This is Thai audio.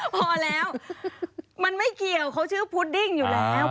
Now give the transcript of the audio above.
พอแล้วมันไม่เกี่ยวเขาชื่อพุดดิ้งอยู่แล้ว